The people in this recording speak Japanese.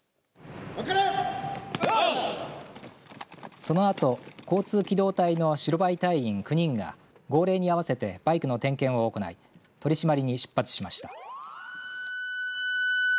そのあと交通機動隊の白バイ隊員９人が号令に合わせてバイクの点検を行い取り締まりに出発しました。